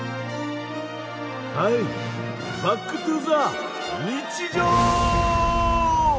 はいバックトゥーザ日常！